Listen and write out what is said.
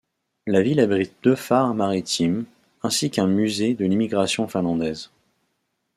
La ville abrite deux phares maritimes, ainsi qu'un musée de l'immigration finlandaise.